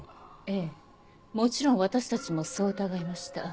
ええもちろん私たちもそう疑いました。